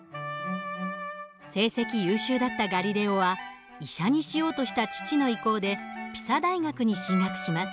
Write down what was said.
成績優秀だったガリレオは医者にしようとした父の意向でピサ大学に進学します。